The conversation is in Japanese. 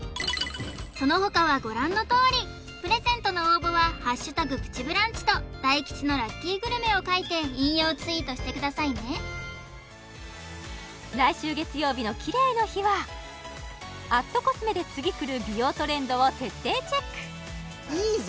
その他はご覧のとおりプレゼントの応募は「＃プチブランチ」と大吉のラッキーグルメを書いて引用ツイートしてくださいね来週月曜日のキレイの日はアットコスメで次来る美容トレンドを徹底チェックいいぞ？